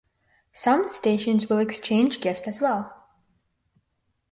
Some stations will exchange gifts as well.